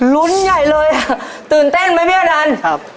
รุ้นใหญ่เลยตื่นเต้นไหมพี่อนัน